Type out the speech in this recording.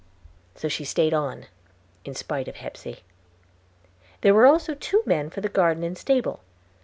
So she staid on, in spite of Hepsey. There were also two men for the garden and stable.